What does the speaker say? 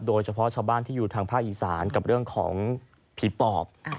โดยเฉพาะชาวบ้านที่อยู่ทางภาคอีสานกับเรื่องของผีปอบ